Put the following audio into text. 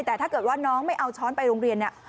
แต่ถ้าเกิดว่าน้องไม่เอาช้อนไปโรงเรียนเนี่ย